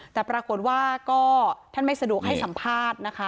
แต่ปรากฏว่าก็ท่านไม่สะดวกให้สัมภาษณ์นะคะ